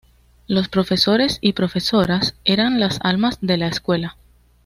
Los profesores y profesoras eran las almas de la escuela.